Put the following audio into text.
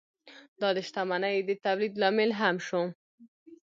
دا د شتمنۍ د تولید لامل هم شو.